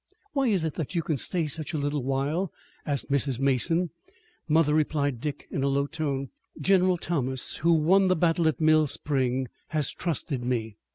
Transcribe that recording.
"Why is it that you can stay such a little while?" asked Mrs. Mason. "Mother," replied Dick in a low tone, "General Thomas, who won the battle at Mill Spring, has trusted me.